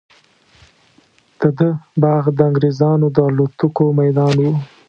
د ده باغ د انګریزانو د الوتکو میدان وو.